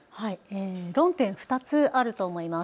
論点、２つあると思います。